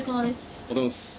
おはようございます。